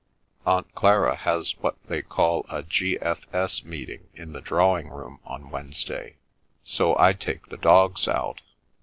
Aunt Clara has what they call a G.F.S. meeting in the drawing room on Wednesday, so I take the dogs out.